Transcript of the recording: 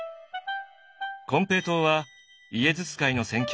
金平糖はイエズス会の宣教師